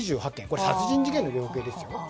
これ、殺人事件の量刑ですよ。